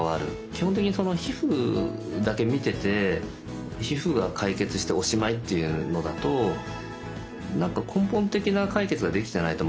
基本的に皮膚だけ診てて皮膚が解決しておしまいっていうのだと何か根本的な解決ができてないとまた出てきちゃうんですよ。